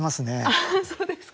あー、そうですか。